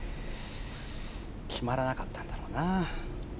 決まらなかったんだろうな。